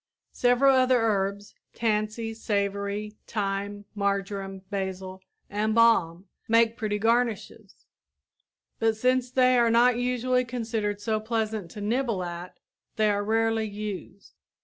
Several other herbs tansy, savory, thyme, marjoram, basil, and balm make pretty garnishes, but since they are not usually considered so pleasant to nibble at, they are rarely used.